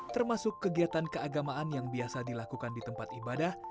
termasuk kegiatan keagamaan yang biasa dilakukan di tempat ibadah